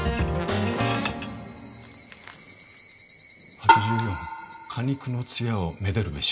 「８４果肉の艶を愛でるべし」。